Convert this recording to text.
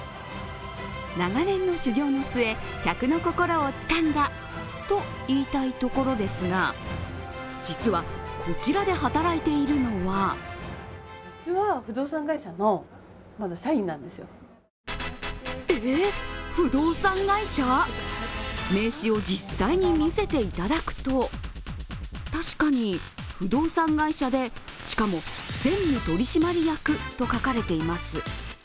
長年の修行の末、客の心をつかんだといいたいところですが実は、こちらで働いているのはえっ、不動産会社？名刺を実際に見せていただくと確かに、不動産会社で、しかも専務取締役と書かれています。